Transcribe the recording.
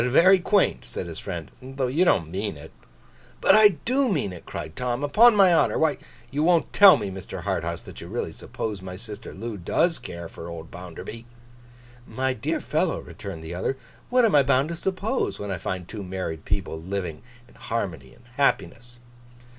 Very quaint!' said his friend. 'Though you don't mean it.' 'But I do mean it,' cried Tom. 'Upon my honour! Why, you won't tell me, Mr. Harthouse, that you really suppose my sister Loo does care for old Bounderby.' 'My dear fellow,' returned the other, 'what am I bound to suppose, when I find two married people living in harmony and happiness?